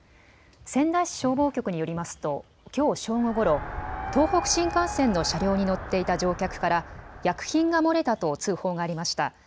仙台市消防局によりますときょう正午ごろ、東北新幹線の車両に乗っていた乗客から薬品が漏れたと通報がありました。